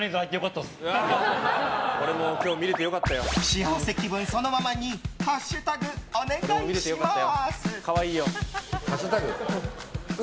幸せ気分そのままにハッシュタグお願いします。